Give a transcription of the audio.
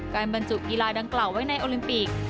บรรจุกีฬาดังกล่าวไว้ในโอลิมปิก